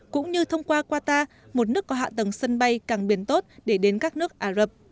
cũng như thông qua qatar một nước có hạ tầng sân bay càng biển tốt để đến các nước ả rập